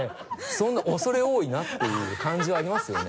そんな恐れ多いなっていう感じはありますよね。